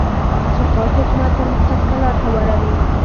شفاف حکومت پرمختګ ته لار هواروي.